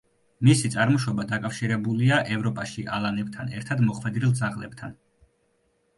მისი წარმოშობა დაკავშირებულია ევროპაში ალანებთან ერთად მოხვედრილ ძაღლებთან.